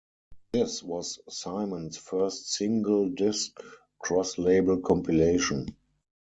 This was Simon's first single disc, cross label compilation.